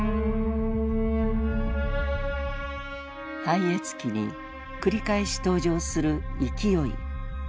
「拝謁記」に繰り返し登場する「勢」。